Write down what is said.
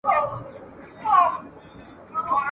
هر یو مکر یې جلاوو آزمېیلی ..